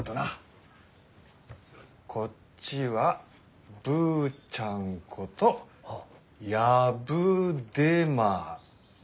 こっちはブーちゃんことヤブデマリ。